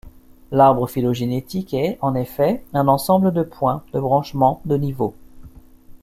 L'arbre phylogénétique est, en effet, un ensemble de points de branchements, de niveaux.